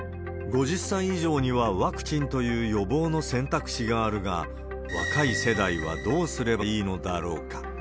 ５０歳以上にはワクチンという予防の選択肢があるが、若い世代はどうすればいいのだろうか。